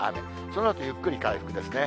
そのあと、ゆっくり回復ですね。